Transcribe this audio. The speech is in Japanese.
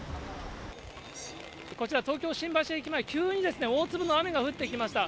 こちら東京・新橋駅前、急に大粒の雨が降ってきました。